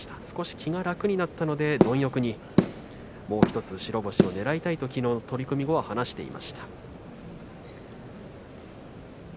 少し気が楽になったので貪欲にもう１つ白星をねらいたいときのうの取組後に話していました。